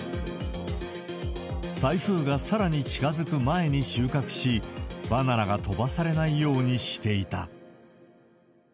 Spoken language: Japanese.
台風がさらに近づく前に収穫し、バナナが飛ばされないようにしていた。